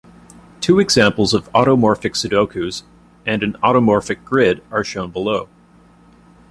Two examples of automorphic Sudokus, and an automorphic grid are shown below.